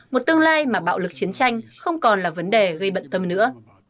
một tương lai mà bạo lực chiến tranh không còn là vấn đề gây bận tâm nữa